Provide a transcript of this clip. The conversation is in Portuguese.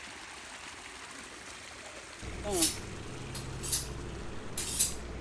dopar, estupradores, droga